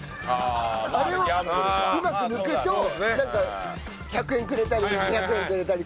あれをうまく抜くとなんか１００円くれたり２００円くれたり。